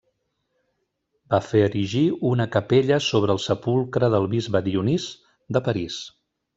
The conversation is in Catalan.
Va fer erigir una capella sobre el sepulcre del bisbe Dionís de París.